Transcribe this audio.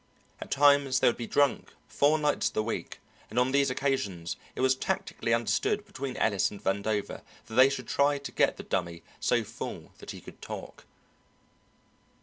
At times they would be drunk four nights of the week, and on these occasions it was tacitly understood between Ellis and Vandover that they should try to get the Dummy so full that he could talk.